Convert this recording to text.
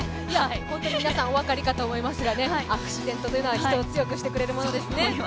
本当に皆さん、お分かりかと思いますがアクシデントというのは人を強くしてくれるものですね。